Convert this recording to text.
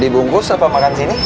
bungkus apa makan sini